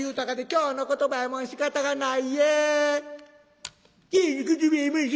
「京の言葉やもんしかたがないえ。